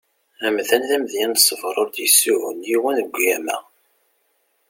Amdan d amedya n ṣsber ur d-yessugun yiwen deg ugama.